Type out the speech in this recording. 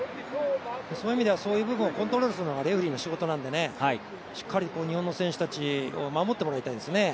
そういう意味ではそういう部分コントロールするのがレフェリーの仕事なのでしっかり日本の選手たちを守ってもらいたいですね。